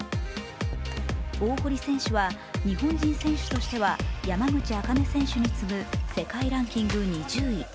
大堀選手は日本人選手としては山口茜選手に次ぐ世界ランキング２０位。